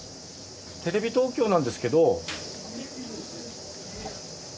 テレビ東京なんですけど。